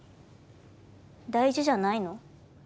大事じゃないの？